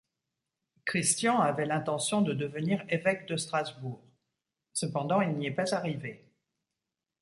Christian avait l'intention de devenir évêque de Strasbourg; cependant il n'y est pas arrivé.